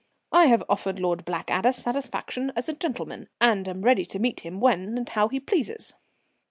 "I have offered Lord Blackadder satisfaction as a gentleman, and am ready to meet him when and how he pleases."